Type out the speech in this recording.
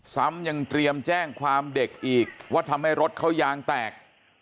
ซ้ำยังเตรียมแจ้งความเด็กอีกว่าทำให้รถเขายางแตก